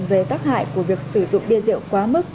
về tác hại của việc sử dụng bia rượu quá mức